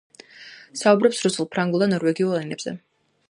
საუბრობს რუსულ, ფრანგულ და ნორვეგიულ ენებზე.